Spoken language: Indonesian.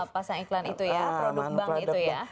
pasang iklan itu ya produk bank itu ya